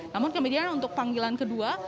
namun kemudian untuk panggilan kedua